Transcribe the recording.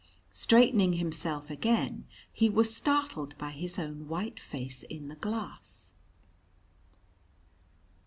Straightening himself again, he was startled by his own white face in the glass.